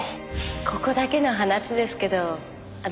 ここだけの話ですけど私